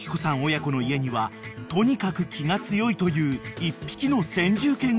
親子の家にはとにかく気が強いという１匹の先住犬が］